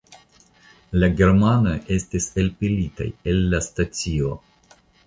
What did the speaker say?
La germanoj estis elpelitaj el la stacio.